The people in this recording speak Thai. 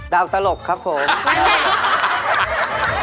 ดับตลกครับผม